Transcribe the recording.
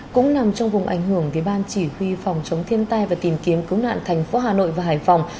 cũng nằm trong vùng ảnh hưởng với ban chỉ huy phòng chống thiên tai và tìm kiếm cứu nạn thành phố hà nội và hải phòng